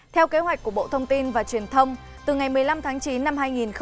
theo kế hoạch của bộ thông tin và truyền thông từ ngày một mươi năm tháng chín năm hai nghìn một mươi chín